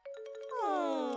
うん。